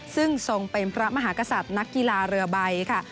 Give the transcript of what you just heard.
ซึ่งทรงเป็นพระมหากษัตริย์นักกีฬาเรือใบค่ะ